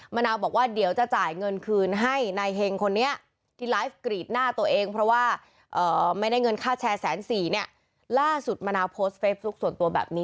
มะนาวบอกว่าเดี๋ยวจะจ่ายเงินคืนให้นายภูมิ